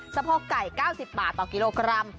สะโพกไก่๙๐บาทต่อกิโลกรัม